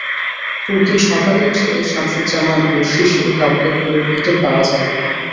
পরদিন সকালে উঠে শামছুজ্জামান ও শিশির কাউকে ঘরের ভেতর পাওয়া যায়নি।